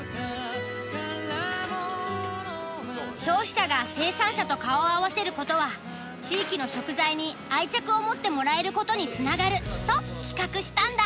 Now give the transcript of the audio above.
消費者が生産者と顔を合わせることは地域の食材に愛着を持ってもらえることにつながると企画したんだ。